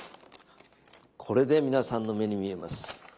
これで皆さんの目に見えます。